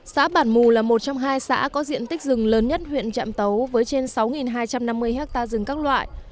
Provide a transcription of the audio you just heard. xã bản mù là một trong hai xã có diện tích rừng lớn nhất huyện trạm tấu với trên sáu hai trăm năm mươi hectare rừng các loại